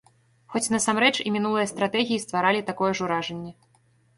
Хоць насамрэч і мінулыя стратэгіі стваралі такое ж уражанне.